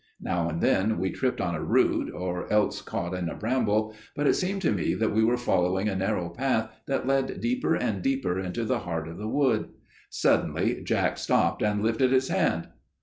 Now and then we tripped on a root, or else caught in a bramble, but it seemed to me that we were following a narrow path that led deeper and deeper into the heart of the wood. Suddenly Jack stopped and lifted his hand.